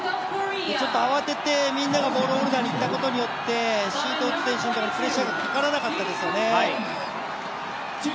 慌ててみんながボールホルダーにいったことによってプレッシャーがかからなかったですよね。